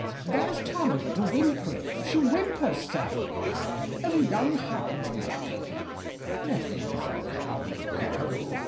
'There's Termagant a whimpering; She whimpers so.' 'There's a young hound yapping!' Let the young hound go!